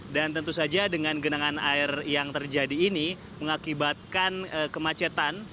dan tentu saja dengan genangan air yang terjadi ini mengakibatkan kemacetan